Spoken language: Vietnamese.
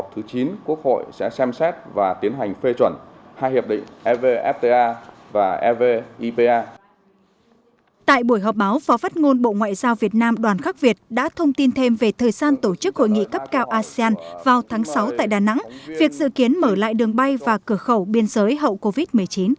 phát ngôn bộ ngoại giao việt nam đoàn khắc việt đã thông tin thêm về thời gian tổ chức hội nghị cấp cao asean vào tháng sáu tại đà nẵng việc dự kiến mở lại đường bay và cửa khẩu biên giới hậu covid một mươi chín